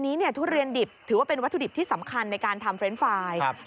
ปีนี้ทุเรียนดิบถือว่าเป็นวัตถุดิบที่สำคัญที่เป็นวัตถุดิบที่เราติดของการทำเฟรวร์นตลอด